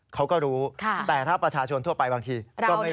เขาก็รู้แต่ถ้าประชาชนทั่วไปบางทีก็ไม่รู้